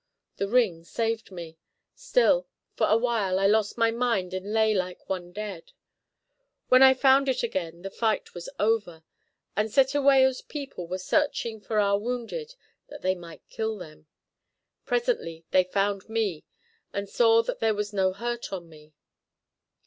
The ring saved me; still, for a while I lost my mind and lay like one dead. When I found it again the fight was over and Cetewayo's people were searching for our wounded that they might kill them. Presently they found me and saw that there was no hurt on me.